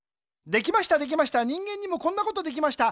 できましたできました人間にもこんなことできました。